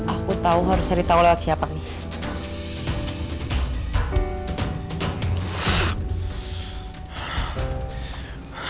aku tahu harus cari tahu lewat siapa nih